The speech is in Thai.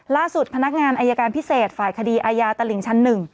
พนักงานอายการพิเศษฝ่ายคดีอายาตลิ่งชั้น๑